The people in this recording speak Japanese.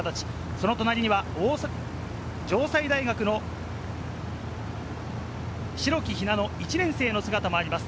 その隣には城西大学の白木ひなの、１年生の姿もあります。